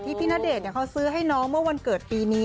พี่ณเดชน์เขาซื้อให้น้องเมื่อวันเกิดปีนี้